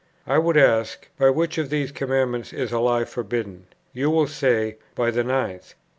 I would ask, by which of the commandments is a lie forbidden? You will say, by the ninth.